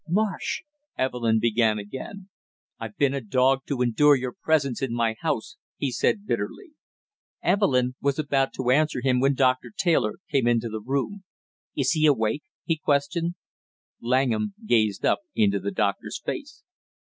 "Marsh " Evelyn began again. "I've been a dog to endure your presence in my house!" he said bitterly. Evelyn was about to answer him when Doctor Taylor came into the room. "Is he awake?" he questioned. Langham gazed up into the doctor's face.